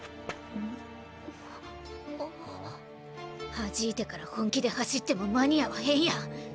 はじいてから本気で走っても間に合わへんやん。